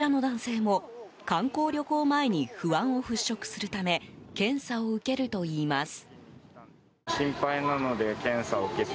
こちらの男性も観光旅行前に不安を払拭するため検査を受けるといいます。